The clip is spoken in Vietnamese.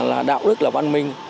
là đạo đức là văn minh